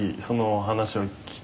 その話を」